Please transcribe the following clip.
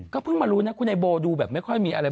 เพิ่งมารู้นะคุณไอโบดูแบบไม่ค่อยมีอะไร